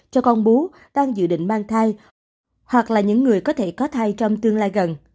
cho con bú đang dự định mang thai hoặc là những người có thể có thai trong tương lai gần